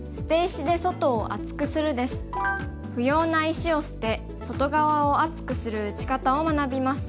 不要な石を捨て外側を厚くする打ち方を学びます。